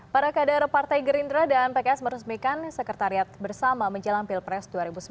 para kader partai gerindra dan pks meresmikan sekretariat bersama menjelang pilpres dua ribu sembilan belas